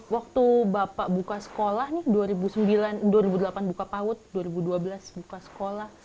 waktu bapak buka sekolah nih dua ribu delapan buka paut dua ribu dua belas buka sekolah